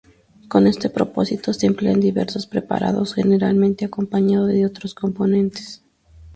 Con este propósito se emplean diversos preparados, generalmente acompañados de otros componentes.